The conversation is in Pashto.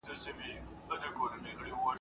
ته به هم بچو ته کیسې وکړې د ځوانۍ ..